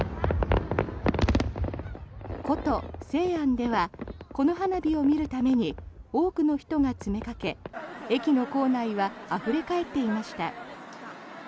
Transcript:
古都・西安ではこの花火を見るために多くの人が詰めかけ駅の構内はあふれ返っていました。